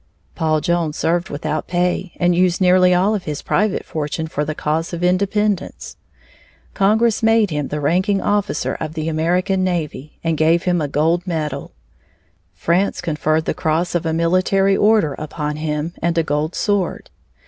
Paul Jones served without pay and used nearly all of his private fortune for the cause of independence. Congress made him the ranking officer of the American navy and gave him a gold medal. France conferred the cross of a military order upon him and a gold sword.